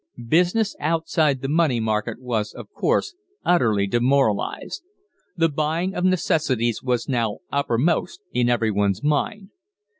Business outside the money market was, of course, utterly demoralised. The buying of necessities was now uppermost in everyone's mind.